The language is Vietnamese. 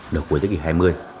đầu cuối thế kỷ hai mươi